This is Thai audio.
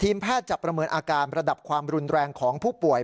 แพทย์จะประเมินอาการระดับความรุนแรงของผู้ป่วย